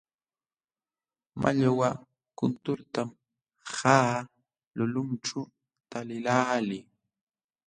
Mallwa kunturtam qaqa lulinćhu taliqlaalii.